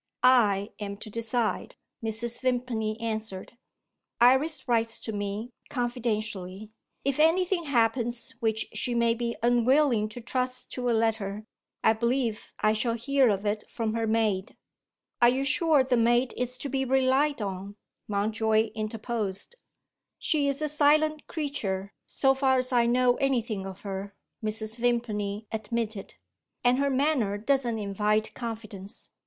"I am to decide," Mrs. Vimpany answered; "Iris writes to me confidentially. If anything happens which she may be unwilling to trust to a letter, I believe I shall hear of it from her maid." "Are you sure the maid is to be relied on?" Mountjoy interposed. "She is a silent creature, so far as I know anything of her," Mrs. Vimpany admitted; "and her manner doesn't invite confidence.